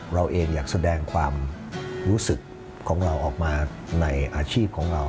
เราเองอยากแสดงความรู้สึกของเราออกมาในอาชีพของเรา